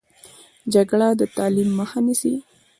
جګړه د تعلیم مخه نیسي